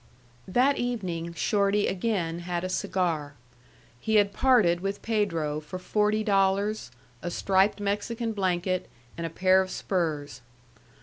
That evening Shorty again had a cigar. He had parted with Pedro for forty dollars, a striped Mexican blanket, and a pair of spurs.